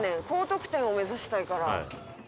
高得点を目指したいから。